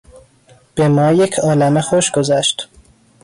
به ما یک عالمه خوش گذشت.